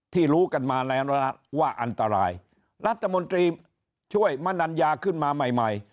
รู้กันมาแล้วว่าอันตรายรัฐมนตรีช่วยมนัญญาขึ้นมาใหม่ใหม่